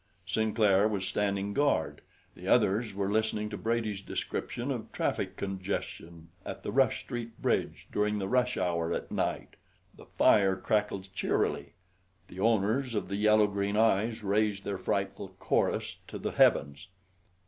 Sinclair was standing guard. The others were listening to Brady's description of traffic congestion at the Rush Street bridge during the rush hour at night. The fire crackled cheerily. The owners of the yellow green eyes raised their frightful chorus to the heavens.